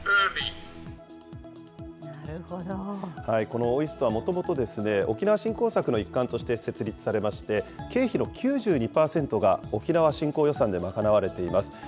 このＯＩＳＴはもともと、沖縄振興策の一環として設立されまして、経費の９２％が沖縄振興予算で賄われています。